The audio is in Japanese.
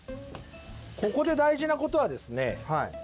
ここで大事なことはですね